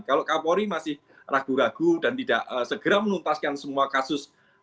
kalau kapolri masih ragu ragu dan tidak segera menuntaskan semua kasus